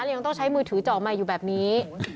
เรียกต้องใช้มือถือจ่อไมค์อยู่แบบนี้